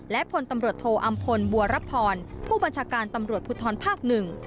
และพลตำรวจโทอำพลบัวรับพรผู้บัญชาการตำรวจภูทรภาคหนึ่ง